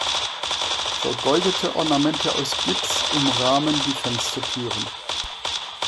Vergoldete Ornamente aus Gips umrahmen die Fenstertüren.